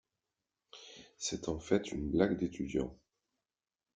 C'est en fait une blague d'étudiants.